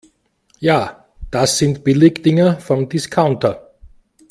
Ja, das sind Billigdinger vom Discounter.